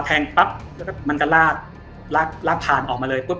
งปั๊บแล้วก็มันก็ลากลากผ่านออกมาเลยปุ๊บ